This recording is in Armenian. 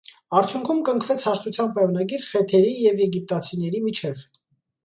Արդյունքում կնքվեց հաշտության պայմանագիր խեթերի և եգիպտացիների միջև։